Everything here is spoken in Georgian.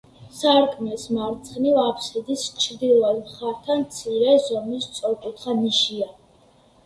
სარკმლის მარცხნივ, აბსიდის ჩრდილოეთ მხართან, მცირე ზომის სწორკუთხა ნიშია.